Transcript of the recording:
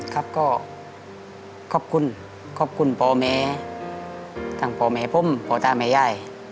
ครับก็ขอบคุณขอบคุณพ่อแม่ทั้งพ่อแม่ผมพ่อตาแม่ยาย